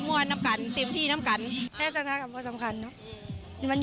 พากฝังฝึงทุกคนเธอแหละ